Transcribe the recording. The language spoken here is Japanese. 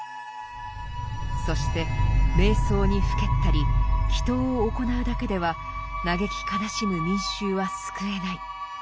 そして瞑想にふけったり祈祷を行うだけでは嘆き悲しむ民衆は救えない。